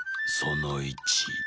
その１。